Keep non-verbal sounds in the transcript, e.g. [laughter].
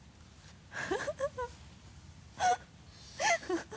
ハハハ [laughs]